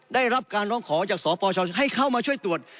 ได้รับการร้องขอจากสปชให้เข้ามาช่วยตรวจ